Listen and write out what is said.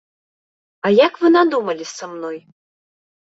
А як вы надумалі са мной?